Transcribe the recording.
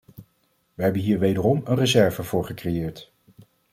Wij hebben hier wederom een reserve voor gecreëerd.